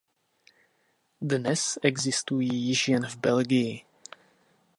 Dnes existují již jen v Belgii.